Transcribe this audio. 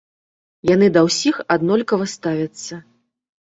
Яны да ўсіх аднолькава ставяцца.